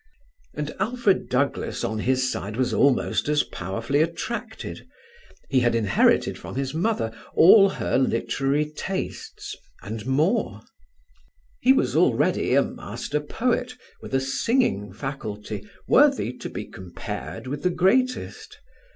And Alfred Douglas on his side was almost as powerfully attracted; he had inherited from his mother all her literary tastes and more: he was already a master poet with a singing faculty worthy to be compared with the greatest.